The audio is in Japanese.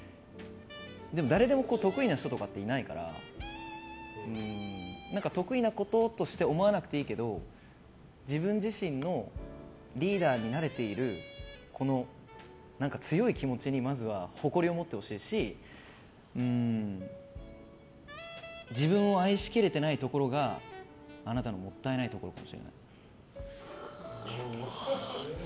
でも誰でも得意な人とかっていないから得意なこととして思わなくていいけど自分自身のリーダーになれているこの強い気持ちにまずは誇りを持ってほしいし自分を愛しきれていないところがあなたのもったいないところかもしれない。